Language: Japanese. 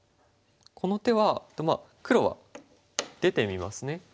この手は黒は出てみますね。